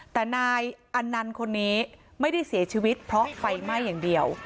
แต่นายอันนันต์คนนี้ไม่ได้เสียชีวิตเพราะไฟไหม้อย่างเดียว